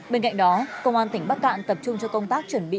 bên cạnh đó công an tỉnh bắc cạn tập trung cho công tác chuẩn bị